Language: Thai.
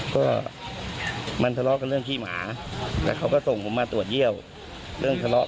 ก็เห็นล่ะเขาคือเลี้ยงไปดูเราให้เงินเรา